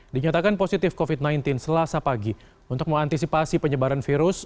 dinyatakan positif covid sembilan belas selasa pagi untuk mengantisipasi penyebaran virus